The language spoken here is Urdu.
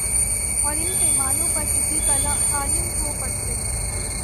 جو ان پیمانوں پر کسی کالم کو پرکھتے